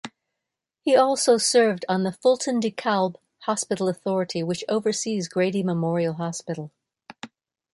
He also served on the Fulton-DeKalb Hospital Authority which oversees Grady Memorial Hospital.